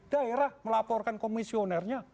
daerah melaporkan komisionernya